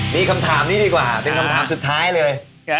มีคำถามนี้ดีกว่าเป็นคำถามสุดท้ายเลย